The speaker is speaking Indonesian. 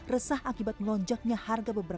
resah akibat melonjaknya harga beberapa